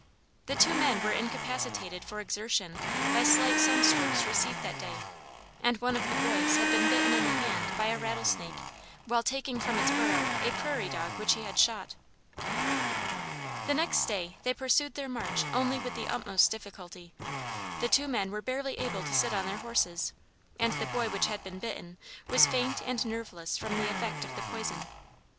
The two men were incapacitated for exertion by slight sun strokes received that day, and one of the boys had been bitten in the hand by a rattlesnake while taking from its burrow a prairie dog which he had shot. The next day they pursued their march only with the utmost difficulty; the two men were barely able to sit on their horses, and the boy which had been bitten was faint and nerveless from the effect of the poison.